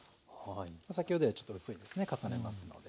先ほどよりはちょっと薄いですね重ねますので。